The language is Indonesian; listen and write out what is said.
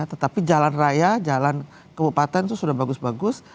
tetapi jalan raya jalan kebupaten itu sudah bagus bagus